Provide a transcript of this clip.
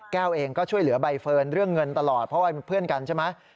แก้วเองก็ช่วยเหลือใบเฟิร์นเรื่องเงินตลอดเพราะว่าเป็นเพื่อนกันใช่ไหม